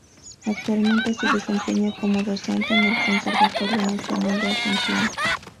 Actualmente se desempeña como docente en el Conservatorio Nacional de Asunción.